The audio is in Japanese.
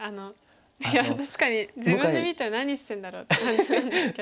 いや確かに自分で見て何してるんだろうって感じなんですけど。